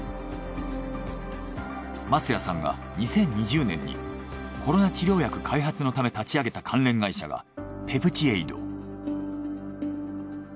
舛屋さんが２０２０年にコロナ治療薬開発のため立ち上げた関連会社がペプチエイド。